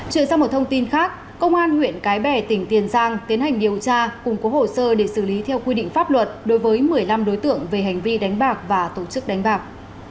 chuyển sang một thông tin khác công an huyện cái bè tỉnh tiền giang tiến hành điều tra cùng cố hồ sơ để xử lý theo quy định pháp luật đối với một mươi năm đối tượng về hành vi đánh bạc và tổ chức đánh bạc